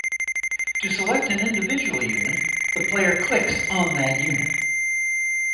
To select an individual unit, the player clicks on that unit.